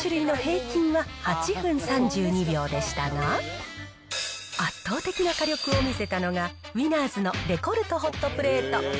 ちなみに１３種類の平均は８分３２秒でしたが、圧倒的な火力を見せたのが、ウィナーズのレコルト・ホットプレート。